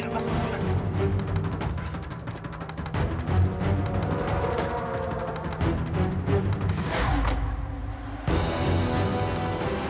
lucky jangan gila deh